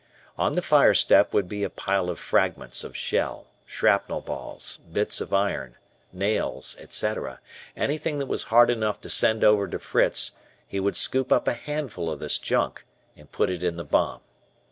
On the fire step would be a pile of fragments of shell, shrapnel balls, bits of iron, nails, etc. anything that was hard enough to send over to Fritz; he would scoop up a handful of this junk and put it in the bomb.